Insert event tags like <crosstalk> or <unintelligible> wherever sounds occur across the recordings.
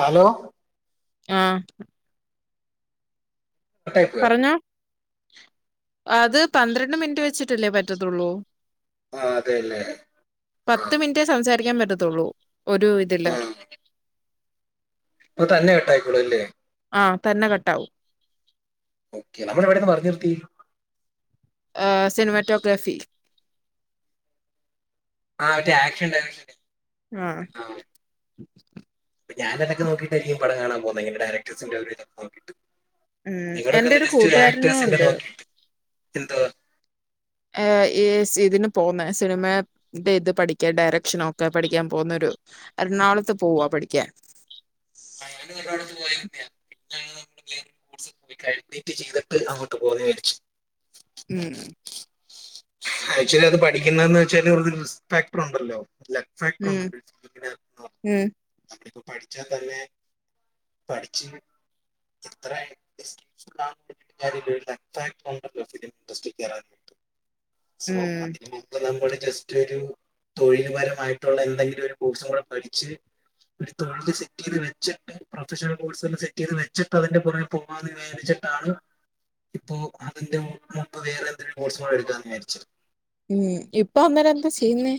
Hello ആഹ് കട്ടായിപ്പോയോ പറഞ്ഞോ അത് പന്ത്രണ്ട് മിനിറ്റ് വെച്ചിട്ട് ഇല്ലേ പറ്റത്തുള്ളൂ ആ അതെ അല്ലേ ആ പത്ത് മിനിറ്റേ സംസാരിക്കാൻ പറ്റത്തുള്ളൂ ഒരു ആ. ഇതില് അപ്പൊ തന്നെ കട്ടായിക്കോളും അല്ലേ ആ തന്നെ കട്ടാവും ഓക്കെ നമ്മള് എവിടെന്ന് പറഞ് നിർത്തി ആ സിനിമാറ്റോഗ്രാഫി ആ മറ്റേ ആക്ഷൻ ഡയറ- ആഹ് <inaudible> ഞാൻ അതൊക്കെ നോക്കിട്ടായിരിക്കും പടം കാണാൻ പോന്നെ ഇങ്ങനെ ഡയറക്ടസിന്റെ ഒരു ഇതൊക്കെ നോക്കിയിട്ട് ഉം നിങ്ങളൊക്കെ എന്റെ ഒരു കൂട്ടുകാരനും ഉണ്ട് എന്തുവാ ഏ ഈ ഇതിന് പോന്നെ സിനിമടെ ഇത് പഠിക്കാൻ ഡയറക്ഷന് ഒക്കെ പഠിക്കാൻ പോകുന്നൊ ഒരു എറണാകുളത്ത് പോകുവാ പഠിക്കാൻ <unintelligible> മീറ്റ് ചെയ്തിട്ട് അങ്ങോട്ട് പോന്ന് വിചാരിച്ചു ഉം - ആക്ച്വലി അത് പഠിക്കുന്നതന്ന് വെച്ചാല് ഒരു റിസ്പാക്ടർ ഉണ്ടല്ലോ? ഉം ഉം <unintelligible> പഠിച്ചാൽ തന്നെ പഠിച്ച് <inaudible> <inaudible> ഇൻഡസ്ട്രികേറാൻ- സോ ഉം അതിന് മുമ്പ് നമ്മള്- ജസ്റ്റ് ഒരു തൊഴിൽപരമായിട്ടുള്ള എന്തെങ്കിലും ഒരു കോഴ്സും കൂടെ പഠിച്ച് ഒരു തൊഴിൽ സെറ്റ് ചെയ്ത് വെച്ചിട്ട് പ്രൊഫഷണൽ കോഴ്സ് സെറ്റ് ചെയ്ത് വെച്ചിട്ട് അതിന്റെ പുറമേ പോവാന്ന് വിചാരിച്ചിട്ടാണ് ഇപ്പോ അതിന്റെ മുമ്പ് വേറെ എന്തെങ്കിലും കോഴ്സും കൂടെ എടുക്കാ- വിചാരിച്ചത്- ഉം ഇപ്പൊ അന്നേരം എന്താ ചെയ്യുന്നേ?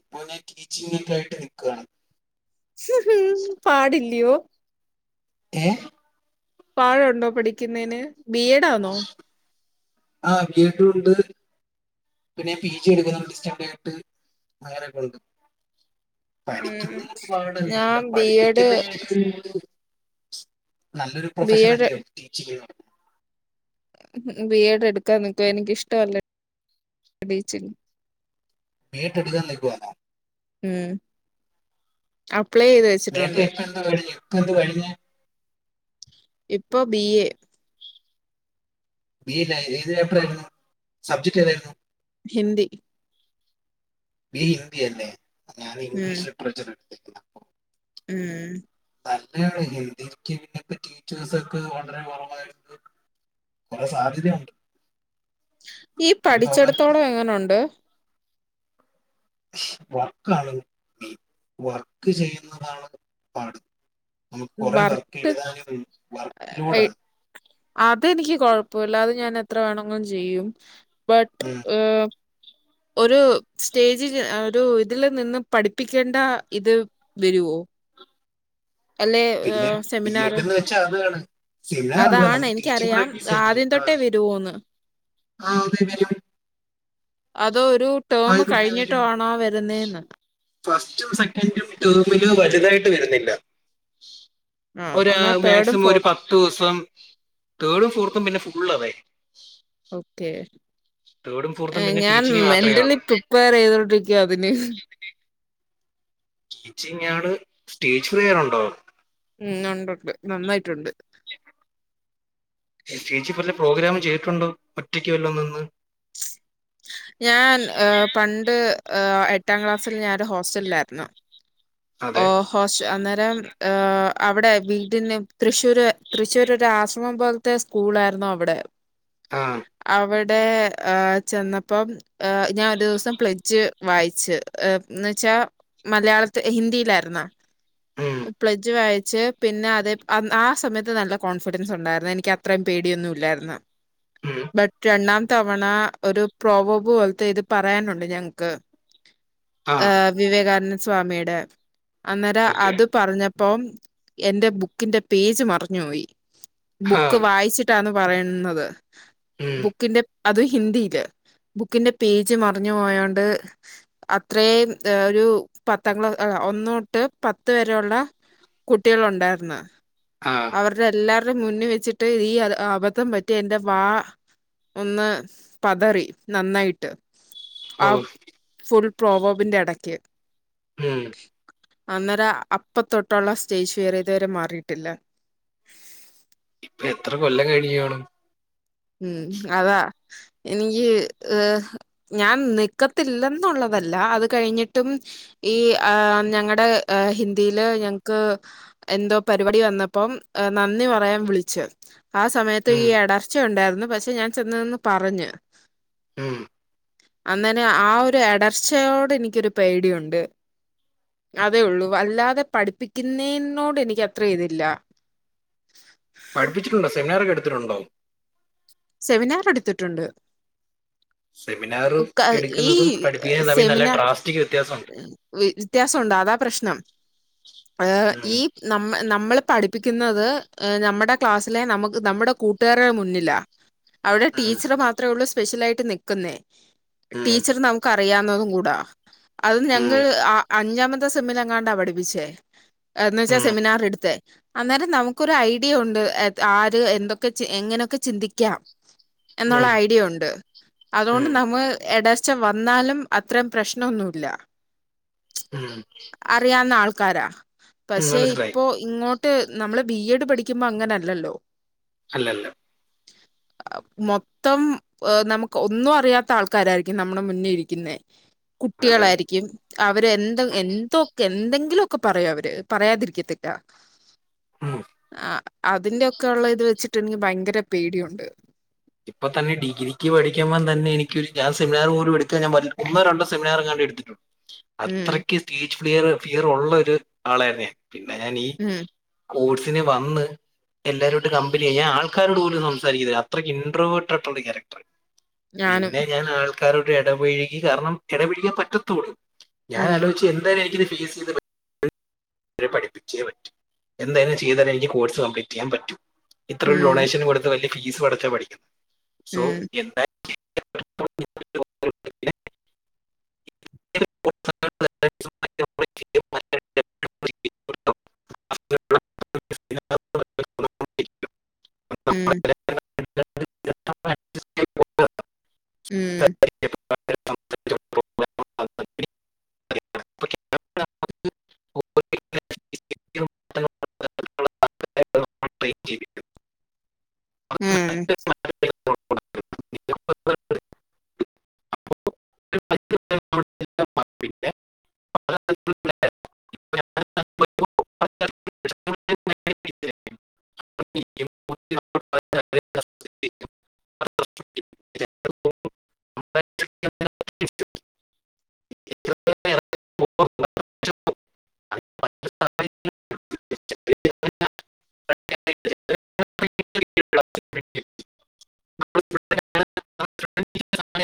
ഇപ്പോ ഞാൻ ടീച്ചിങ്ങ്ക്കെ ആയിട്ട് നിക്കുയാണ്- പാടിൽ- യ്യോ- ഏ - പാഴൊണ്ടോ പഠിക്കുന്നതിന്- ബി എഡ്‌ ആന്നോ? ആ ബി എഡും ഉണ്ട് പിന്നെ പി ജി എടുക്കുന്നുണ്ട് ഡിസ്റ്ററ്റ് ആയിട്ട് അങ്ങനെയൊക്കെയുണ്ട്‌- ഉം പഠിക്കുന്നതി ഞാൻ ഒരുപാടല്ലല്ലോ ബി എഡ് പഠിപ്പിക്കുന്ന- നല്ലൊരു ബി പ്രൊഫഷൻ എഡ് അല്ലേയോ ടീച്ചങ് എന്ന് - ബി എഡ് എടുക്കാ നിക്കുവാ എനിക്കിഷ്ടല്ല ടീച്ചിങ്- <unintelligible> പ്ലേ ചെയ്ത് നേരത്തെ വെച്ചിട്ടുണ്ട് ഇപ്പൊ എന്ത് കഴിഞ്ഞു ഇപ്പൊ എന്ത് കഴിഞ് ഇപ്പൊ ബി എ ബി എ ഏത് പേപ്പറായിരുന്നു സബ്ജക്ട് ഏതായിരുന്നു? ഹിന്ദി ബി ഹിന്ദിയല്ലേ ഞാൻ ഉം ഇംഗ്ലീഷ് ലിറ്ററേചറ് <unintelligible> ഉം നല്ലയാണ് ഹിന്ദിക്കിന്നിപ്പ ടീച്ചേഴ്സൊക്കെ വളരെ കൊറവായിരുന്നു കൊറെ സാധ്യതയുണ്ട് ഈ അത് നോക്കാൻ പഠിച്ചെടുത്തോളം എങ്ങനുണ്ട് വർക്കാണ് മെയിൻ വർക്ക് ചെയ്യുന്നതാണ് പാട് നമുക്ക് കുറെ വർക്ക് എഴുതാനും വർക്ക് ലോഡാണ് <unintelligible> അതെനിക്ക് കൊഴപ്പൂല്ല അത് ഞാന് എ എത്ര വേണങ്കിലും ചെയ്യും ബട്ട് <unintelligible> ഒരു സ്റ്റേജിജ് അ ഒരു ഇതില് നിന്ന് പഠിപ്പിക്കേണ്ട ഇത് വെരുവോ അല്ലെ പിന്നെ ഉം ബി എഡ് സെമിനാറ് എന്ന് വെച്ചാൽ അതാണ് സെമിനാർ അല്ല അതാണ് നമുക്ക് ടീച്ചിങ് എനിക്കറിയാം പ്രാക്ടീസ് ആദ്യം തൊട്ടേ വരുവോന്ന് ആഹ് അതെ <unintelligible> അതോ ഒരു ടേം <unintelligible> കഴിഞ്ഞിട്ടാണോ വരുന്നേന്ന് ഫസ്റ്റും സെക്കൻഡും ട്ടേമില് വലുതായിട്ട് <unintelligible> വരുന്നില്ല ഒര് ആ എന്നാ തേർഡും മാക്സിമം ഒരു ഫോർത്തും പത്തൂസം തേർഡും ഫോർത്തും പിന്നെ ഫു ഉള്ളതേ ഓക്കെ തേർഡും ഫോർത്തും ങേ പിന്നെ ഞാൻ ടീച്ചിങ് മാത്രമേ മെന്റലി ഉള്ളൂ പ്രിപ്പയറെയ്തോണ്ടിരിക്ക അതിന് ടീച്ചിങ്ങാണ് സ്റ്റേജ് ഫ്രയറുണ്ടോ ഉം ഉണ്ടുണ്ട് നന്നായിട്ടുണ്ട് സ്റ്റേജിൽ പറഞ്ഞ പ്രോഗ്രാം ചെയ്തിട്ടുണ്ടോ ഒറ്റയ്ക്ക് വല്ലോം നിന്ന് ഞാൻ ഏ പണ്ട് ഏഎട്ടാം ക്ലാസ്സിൽ ഞാാനൊരു ഹോസ്റ്റലിലായിരുന്നു ഓ അതെ ഹോസ്‌ അന്നേരം ആ അവിടെ വീടിന് തൃശ്ശൂര് തൃശ്ശൂര് ഒരു ആശ്രമം പോൽത്തെ സ്കൂൾ ആര്ന്നു അവിടെ ആ ടേ ആ ചെന്നപ്പം ഏ ഞാൻ ഒരു ദിവസം പ്ല്ജ് വായിച്ചു എന്ന് വെച്ചാ മലയാള ത്ത് <unintelligible> ഹിന്ദിയിലായിരുന്നാ ഉം, പ്ലജ്ജ് വായിച്ച് പിന്നെ അതെ അ ആ സമയത്ത് നല്ല കോൺഫിഡൻസ് ഉണ്ടായിരുന്ന് എനിക്ക് അത്രയും പേടിയൊന്നുല്ലായിര്ന്ന് ഉം, ബറ്റണ്ണം <unintelligible> തവണ ഒരു പ്രോവബ് പോലത്തെ ഇത് പറയാനുണ്ട് ഞങ്ങ്ക്ക് ആ ആഹ് വിവേകാനന്ദ് സ്വാമി <unintelligible> അന്നേരം ഓക്കെ അത് പറഞ്ഞപ്പ് <unintelligible> എന്റെ ബുക്കിന്റെ പേജ് മറഞ്ഞോയി. ആ ബുക്ക് വായിച്ചിട്ടാന്ന് പറയുന്നത് ഉം, ബുക്കിന്റെ അത് ഹിന്ദിയില് ബുക്കിന്റെ പേജ് മറിഞ്ഞു പോയാണ്ട് അത്രയും ഒരു പത്ത് തങ്ങള് ഒന്നൂട്ട് പത്ത് വരെെയുള്ള കുട്ടികളുണ്ടായിരുന്നു. ആ അവരുടെ എല്ലാർക്ക് മുന്നി വെച്ചിട്ട് ഈ അബദ്ധം പറ്റി എന്റെ വാ ഒന്ന് പതറി നന്നായിട്ട് ഓ ആഹ് ഫുൾ പ്രോവോബിന്റെ ഇടയ്ക്ക് ഉം അന്നേരം അപ്പത്തൊട്ടുള്ള സ്റ്റേജ് ഫിയറിയതുവരെ മാറിയിട്ടില്ല. ഇപ്പൊ എത്ര കൊല്ലം കഴിഞ്ഞുകാണും? ഉം അതാ, എനിക്ക്, ഞാൻ നിക്കത്തില്ലെന്നുള്ളതല്ല അത് കഴിഞ്ഞിട്ടും ഈ ഞങ്ങളുടെ ഹിന്ദിയില് ഞങ്ങക്ക് എന്തോ പരിപാടി വന്നപ്പം നന്ദി പറയാൻ വിളിച്ചു. ആ സമയത്ത് ഈ ഉം, എട ഉണ്ടായിരുന്നു. പക്ഷെ ഞാൻ ചെന്നന്ന് പറഞ്ഞു. ഉം അന്നനെ ആ ഒരു അടർച്ചയോടെ എനിക്കൊരു പേടിയുണ്ട് അതേ ഉള്ളൂ അല്ലാതെ പഠിപ്പിക്കുന്നേനോട് എനിക്ക് അത്ര ഇതില്ല. <unintelligible> ുണ്ടോ സെമിനാർ എടുത്തിട്ടുണ്ട്. സെമിനാറും ക എടുക്കുന്നതും പഠിപ്പിക്കുന്നതും തമ്മിൽ നല്ല ട്രാസ്റ്റിക് വിത്യാസമുണ്ട്, അതാ പ്രശ്നം. ഉം ഈ നമ്മ നമ്മള് പഠിപ്പിക്കുന്നത് നമ്മുടെ ക്ലാസ്സിലെ നമുക്ക് നമ്മുടെ കൂട്ടുകാരുടെ മുന്നിലാ അവിടെ ടീച്ചർ ഉം മാത്രേ ഉള്ളൂ സ്കൂ <unintelligible> സ്പെഷ്യലായിട്ട് നിക്കുന്നേ ടീച്ചർ നമുക്ക് അഡ് <unintelligible> അറിയാവുന്നതും കൂടാ അത് ഉം ഞങ്ങൾ ഉം അ അഞ്ചാമത്തെ സെമ്മിലെങ്ങാണ്ടാ പഠിപ്പിച്ചേ എന്നുവെച്ചാ ഉം സെമിനാർ എടുത്തേ അന്നേരം നമുക്കൊരു ഐഡിയ ഉണ്ട്. ആര്? എന്തൊക്കെ? എങ്ങനെയൊക്കെ ചിന്തിക്കാം? എന്നുള്ള ഉം ഐഡിയ ഉണ്ട്. അതുകൊണ്ട് ഉം നമ്മൾ എഡ ക്ഷ വന്നാലും അത്രയും പ്രശ്നമൊന്നുമില്ല ഇല്ല ആഹ കാര പക്ഷെ ഇപ്പോൊ ഇങ്ങോട്ട് ട്ട് നമ്മള് ബി എഡ് പഠിക്കുമ്പോ അങ്ങനെല്ലല്ലോ അല്ലല്ല മൊത്തം നമുക്ക് ഒന്നും അറിയാത്ത ആൾക്കാരായിരിക്കും നമ്മുടെ മുന്നിൽ ഇരിക്കുന്നേ അതെ കുട്ടികളായിരിക്കും അവര് എന്ത എന്തൊക്കെ എന്തെങ്കിലു ക്കെ പറയും അവര് പറയാതിരിക്കത്തില്ലാ ഉം ആഹ് അതിന്റെ ഒക്കെ ഉള്ള ഇത് വെച്ചിട്ട് എനിക്ക് ഭയങ്കര പേടിയുണ്ട് ഇപ്പൊ തന്നെ ഡിഗിക്ക് പഠിക്ക്പം തന്നെ എനിക്കു ഞാൻ സെിനാറു പോലും എടുക്കൻ ഞാൻ ഒന്ന രണ്ട സെമിനാും കണ്ട എടുത്തിട്ടുള്ളു ഉം അത്രക്ക് തീ ഫിയർ ഫിയർ ഉള്ള ഒരു ആള തന്നെ പിന്നെ ഞാനീ ഉം സ്പോർട്സിന് വന്ന് എല്ലാവരോടും കമ്പനി്യാം ഞാൻ ആൾക്കാരോട് പോലും സംസാരിക്കുന്നത് അത്രക്ക് ഇനട്രവേർട്ടായിട്ടുള്ള ക്യാറക്ടർ ഞാനും. പിന്നെ ഞാൻ ആ ആൾക്കാരോട് ഇടപഴുകി കാരണം ഇടപഴുകാൻ പറ്റത്തുള്ളൂ ഞാൻ ആലോചിച്ചു എന്തായും എനിക്ക് ഫീസ് ചെയത് പറ്റ് അവരെ പഠിപ്പിച്ചേ പറ്റൂ എന്തായാലും ചെയ്ത തന്നെ എനിക്ക് കോഴ്സ് കംപ്ലീറ്റ് ചെയ്യാൻ പറ്റും ഇത്ര ഒരു ഡൊണേഷൻ കൊടുത്ത വല്യ ഫീസ് പടച്ച പഠിക്കുന്നത് സോ എന്തായി <unintelligible> <unintelligible> ഉം <unintelligible> ഉം <inaudible> <inaudible> അട്ട ജീവിക്കുന്നു <unintelligible> ഉം <inaudible> <unintelligible> <unintelligible> <unintelligible> <unintelligible> <unintelligible> പക്ഷം <unintelligible>